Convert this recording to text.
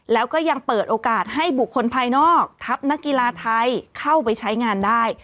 แล้วก็ยังเปิดโอกาสให้บุคคลภายนอกทัพนักกีฬาไทยเข้าไปใช้งานได้